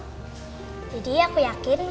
gyady aku yakin mama kau pasti consideration aja